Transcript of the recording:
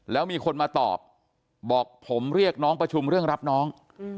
แล้วมีคนมาตอบบอกผมเรียกน้องประชุมเรื่องรับน้อง